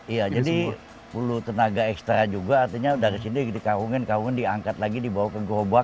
iya jadi perlu tenaga ekstra juga artinya dari sini dikawungin kawung diangkat lagi dibawa ke gerobak